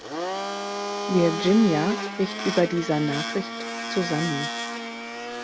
Virginia bricht über dieser Nachricht zusammen.